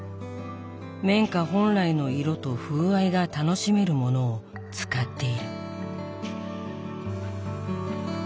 綿花本来の色と風合いが楽しめるものを使っている。